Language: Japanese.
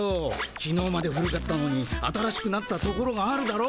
きのうまで古かったのに新しくなったところがあるだろ？